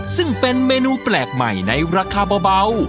ซึ่งเป็นเมนูแปลกใหม่ในราคาเบา